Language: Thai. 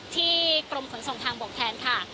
กรมขนส่งทางบกแทนค่ะ